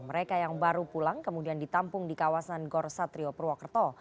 mereka yang baru pulang kemudian ditampung di kawasan gor satrio purwokerto